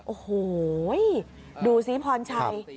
โอ้โหดูสิพรชัย